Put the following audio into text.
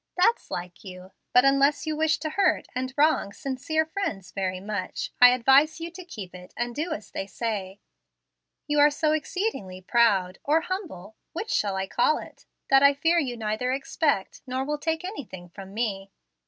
"That's like you. But, unless you wish to hurt and wrong sincere friends very much, I advise you to keep it and do as they say. You are so exceedingly proud or humble which shall I call it? that I fear you neither expect, nor will take anything from me."